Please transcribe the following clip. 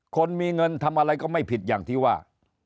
คนมีเงินทำอะไรก็ไม่ผิดอย่างที่ว่า